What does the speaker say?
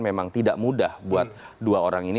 memang tidak mudah buat dua orang ini